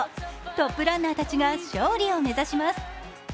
トップランナーたちが勝利を目指します。